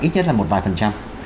ít nhất là một vài phần trăm